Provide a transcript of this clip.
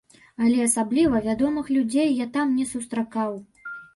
Але асабліва вядомых людзей я там не сустракаў.